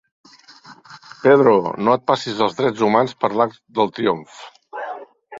Pedro, no et passis els drets humans per l’arc del triomf.